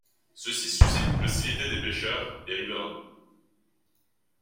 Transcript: Ceci suscite l'hostilité des pêcheurs et riverains.